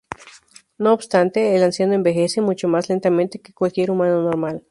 No obstante, el Anciano envejece mucho más lentamente que cualquier humano normal.